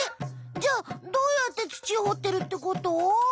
じゃあどうやって土をほってるってこと？